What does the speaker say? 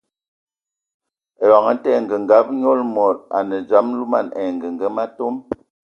Eyɔŋ tə, angəngab nyɔl mod a nə dzam alumɛn ai angəgəma atɔm.